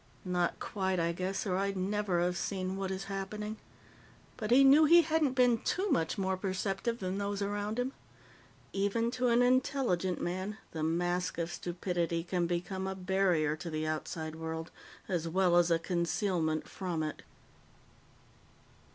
Not quite, I guess, or I'd never have seen what is happening_. But he knew he hadn't been too much more perceptive than those around him. Even to an intelligent man, the mask of stupidity can become a barrier to the outside world as well as a concealment from it.